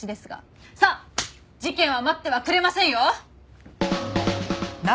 さあ事件は待ってはくれませんよ！